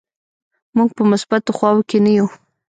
موږ په مثبتو خواو کې نه یو.